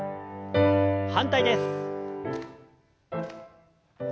反対です。